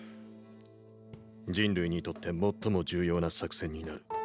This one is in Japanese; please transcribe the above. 人類にとって最も重要な作戦になる。